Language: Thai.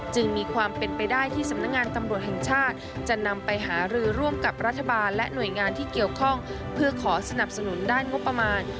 จึงมีความเป็นไปได้ที่สำนักงานตำรวจแห่งชาติจะนำไปหารือร่วมกับรัฐบาลและหน่วยงานที่เกี่ยวข้องเพื่อขอสนับสนุนด้านงบประมาณ